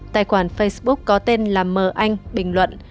tài khoản facebook có tên là mờ anh bình luận